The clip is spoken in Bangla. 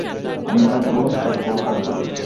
আমি থাকব, থাকব, থাকব।